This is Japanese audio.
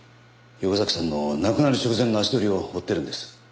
横崎さんの亡くなる直前の足取りを追ってるんです。